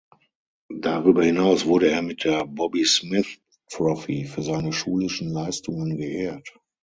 Darüber hinaus wurde er mit der Bobby Smith Trophy für seine schulischen Leistungen geehrt.